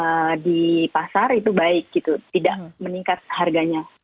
dan produk barang di pasar itu baik gitu tidak meningkat harganya